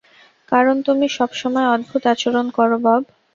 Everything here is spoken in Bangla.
কারণ তুমি সবসময় অদ্ভূত আচরণ করো, বব।